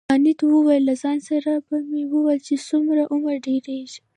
کانت وویل له ځان سره به مې ویل چې څومره عمر ډیریږي.